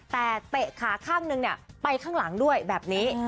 แต่เตะขาข้างนึงไปข้างหลังด้วยแบบนี้